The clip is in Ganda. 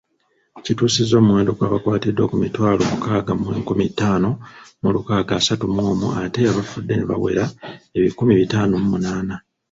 Kituusizza omuwendo gw’abakwatiddwa ku mitwalo mukaaga mu enkumi ttaano mu lukaaga asatu mu omu ate abafudde ne bawera ebikumi bitaano mu munaana.